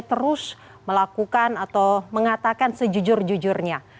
terus melakukan atau mengatakan sejujur jujurnya